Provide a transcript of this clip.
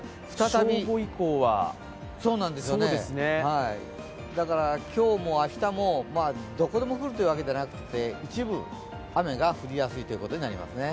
正午以降はだから、今日も明日もどこでも降るというわけでなくて、一部、雨が降りやすいということになりますね。